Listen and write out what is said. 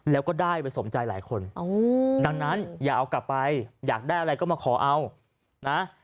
แล้วก็ได้ไปสมใจหลายคนดังนั้นอย่าเอากลับไปอยากได้อะไรก็มาขอเอานะ